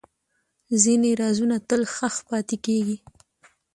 ځینې رازونه تل ښخ پاتې کېږي.